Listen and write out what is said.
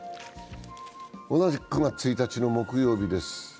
同じく９月１日の木曜日です。